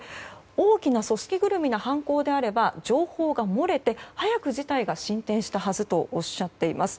大きな組織ぐるみの犯行であれば情報が漏れて早く事態が進展したはずとおっしゃっています。